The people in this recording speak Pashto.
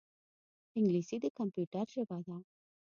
انګلیسي د کمپیوټر ژبه ده